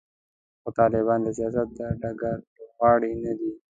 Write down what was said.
خو طالبان د سیاست د ډګر لوبغاړي نه دي.